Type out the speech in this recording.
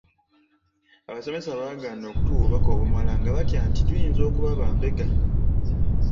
Abasomesa baagaana okutuwa obubaka obumala nga batya nti tuyinza okuba bambega.